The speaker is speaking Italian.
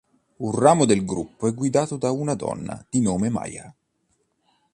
Un ramo del gruppo è guidato da una donna di nome Maya.